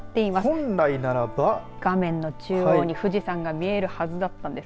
本来ならば画面の中央に富士山が見えるはずだったんです。